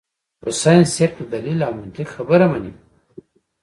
خو سائنس صرف د دليل او منطق خبره مني -